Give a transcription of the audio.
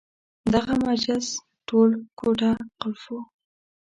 دغه محبس ټول کوټه قلف وو.